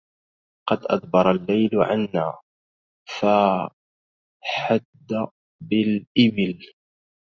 قد أدبر الليل عنا فا حد بالإبل